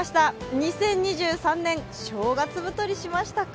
２０２３年、正月太りしましたか？